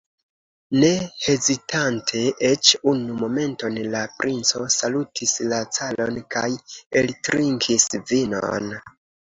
Ne hezitante eĉ unu momenton, la princo salutis la caron kaj eltrinkis vinon.